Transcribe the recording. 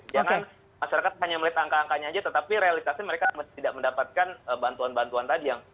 jangan masyarakat hanya melihat angka angkanya saja tetapi realitasnya mereka tidak mendapatkan bantuan bantuan tadi yang